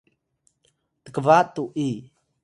tkba tu’i